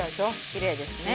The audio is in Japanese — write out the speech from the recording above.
きれいですね。